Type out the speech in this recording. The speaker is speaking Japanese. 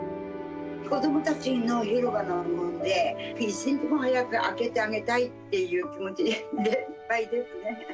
子どもたちの広場なもんで、一日でも早く開けてあげたいっていう気持ちでいっぱいですね。